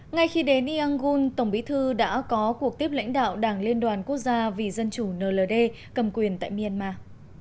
ngay khi đến yang gun tổng bí thư đã có cuộc tiếp lãnh đạo đảng liên đoàn quốc gia vì dân chủ nld cầm quyền tại myanmar